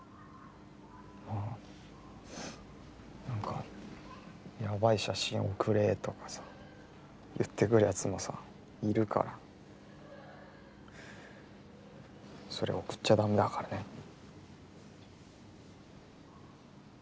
なんかやばい写真送れとかさ言ってくるやつもさいるからそれ送っちゃだめだからね？